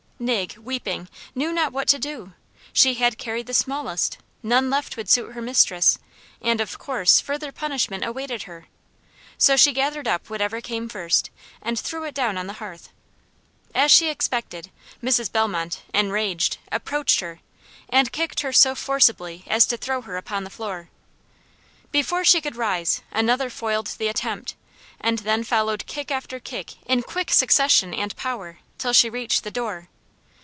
Nig, weeping, knew not what to do. She had carried the smallest; none left would suit her mistress; of course further punishment awaited her; so she gathered up whatever came first, and threw it down on the hearth. As she expected, Mrs. Bellmont, enraged, approached her, and kicked her so forcibly as to throw her upon the floor. Before she could rise, another foiled the attempt, and then followed kick after kick in quick succession and power, till she reached the door.